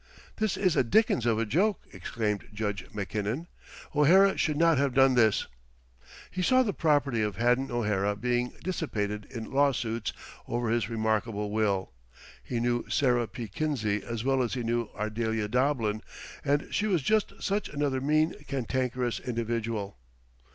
"This is a dickens of a joke!" exclaimed Judge Mackinnon. "O'Hara should not have done this!" He saw the property of Haddon O'Hara being dissipated in lawsuits over this remarkable will. He knew Sarah P. Kinsey as well as he knew Ardelia Doblin, and she was just such another mean cantankerous individual.